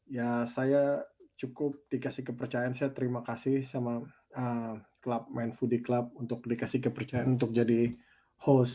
ya saya cukup dikasih kepercayaan saya terima kasih sama klub main food club untuk dikasih kepercayaan untuk jadi host